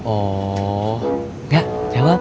oh gak jawab